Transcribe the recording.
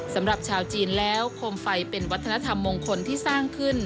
สำหรับชาวจีนแล้วโคมไฟเป็นวัฒนธรรมมงคลที่สร้างขึ้น